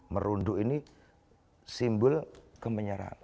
merunduk ini simbol kemenyerahan